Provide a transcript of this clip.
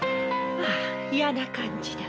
ああ嫌な感じだ。